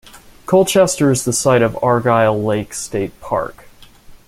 Colchester is the site of Argyle Lake State Park.